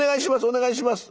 お願いします」。